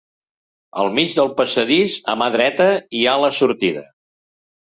Al mig del passadís, a mà dreta hi ha la sortida.